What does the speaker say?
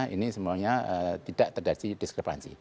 ini semuanya tidak terdiri diskrepsi